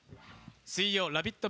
水曜「ラヴィット！」